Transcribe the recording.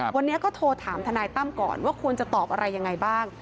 วันนี้ก็โทรถามทนายตั้มก่อนว่าควรจะตอบอะไรยังไงบ้าง